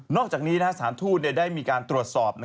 อกจากนี้สถานทูตได้มีการตรวจสอบ